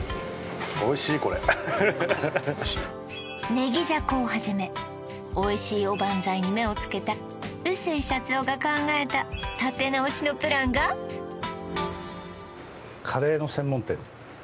ねぎじゃこをはじめおいしいおばんざいに目をつけた臼井社長が考えた立て直しのプランがカレー？